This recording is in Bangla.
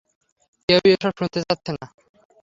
কেউই এসব শুনতে চাচ্ছে না।